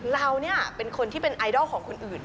เราเนี่ยเป็นคนที่เป็นไอดอลของคนอื่น